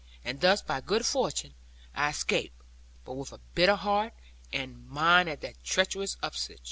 And thus by good fortune, I escaped; but with a bitter heart, and mind at their treacherous usage.